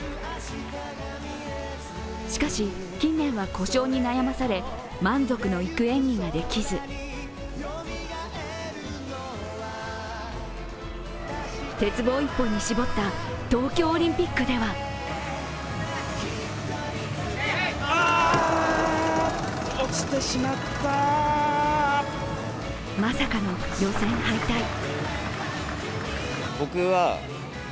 しかし、近年は故障に悩まされ満足のいく演技ができず鉄棒一本に絞った東京オリンピックではまさかの予選敗退。